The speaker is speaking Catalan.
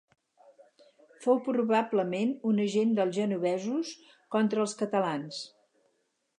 Fou probablement un agent dels genovesos contra els catalans.